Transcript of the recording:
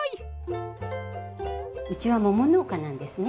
うちは桃農家なんですね。